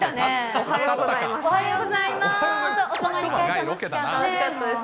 おはようございます。